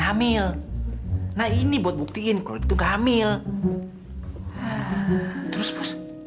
pak ini kakinya ayah pak